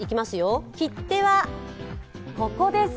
切手はここです。